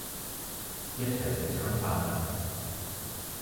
一齊食餐飯吖